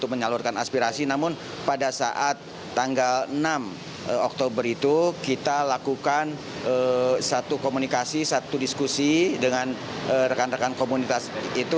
menyalurkan aspirasi namun pada saat tanggal enam oktober itu kita lakukan satu komunikasi satu diskusi dengan rekan rekan komunitas itu